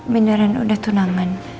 beneran udah tunangan